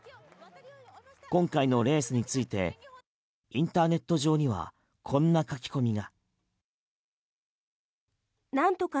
今回のレースについてインターネット上にはこんな書き込みが。